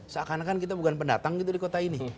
seakan akan kita bukan pendatang gitu di kota ini